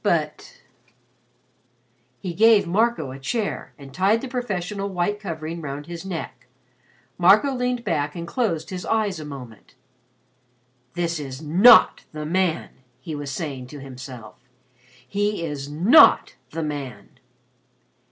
But He gave Marco a chair and tied the professional white covering around his neck. Marco leaned back and closed his eyes a moment. "That is not the man!" he was saying to himself. "He is not the man."